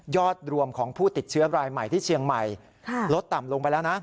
รวมของผู้ติดเชื้อรายใหม่ที่เชียงใหม่ลดต่ำลงไปแล้วนะ